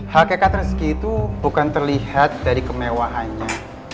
hakikat rezeki itu bukan terlihat dari kemewahannya